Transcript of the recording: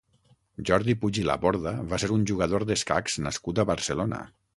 Jordi Puig i Laborda va ser un jugador d'escacs nascut a Barcelona.